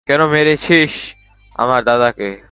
কেন মেরেছিস আমার দাদাকে?